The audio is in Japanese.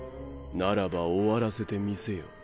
ならば終わらせてみせよ。